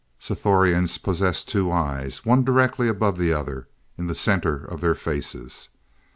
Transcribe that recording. Sthorians possessed two eyes one directly above the other, in the center of their faces.